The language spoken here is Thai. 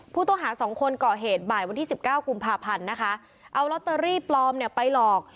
ผู้ต้องหาสองคนก่อเหตุบ่ายวันที่สิบเก้ากุมภาพันธ์นะคะเอาลอตเตอรี่ปลอมเนี่ยไปหลอก